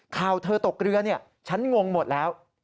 ข่าวเธอตกเรือฉันงงหมดแล้ว